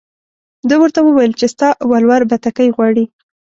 ده ورته وویل چې ستا ولور بتکۍ غواړي.